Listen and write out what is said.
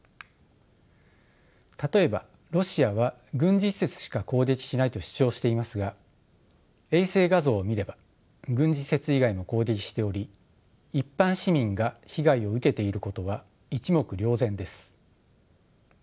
例えばロシアは軍事施設しか攻撃しないと主張していますが衛星画像を見れば軍事施設以外も攻撃しており一般市民が被害を受けていることは一目瞭然です。